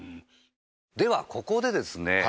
ではここでですね